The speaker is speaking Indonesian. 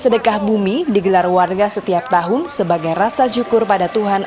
ya dapat sangja dapat pano dapat jacan pasar gitu mas